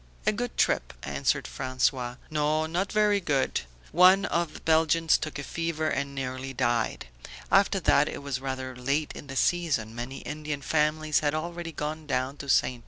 "A good trip," answered François. "No, not very good. One of the Belgians took a fever and nearly died. After that it was rather late in the season; many Indian families had already gone down to Ste.